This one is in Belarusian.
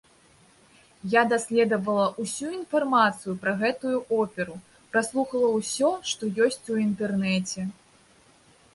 Я даследавала ўсю інфармацыю пра гэтую оперу, праслухала ўсё, што ёсць у інтэрнэце.